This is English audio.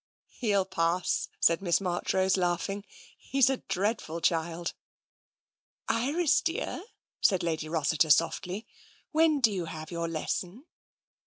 "" He'll pass," said Miss Marchrose, laughing. " He's a dreadful child." " Iris, dear," said Lady Rossiter softly, " when do you have your lesson?